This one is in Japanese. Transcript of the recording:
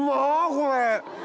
これ。